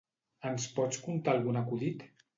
Ens pots contar algun acudit?